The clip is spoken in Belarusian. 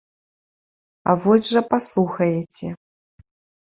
А вось жа паслухаеце.